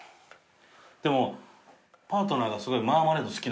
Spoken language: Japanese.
でもパートナーがすごいマーマレード好きなんですよ。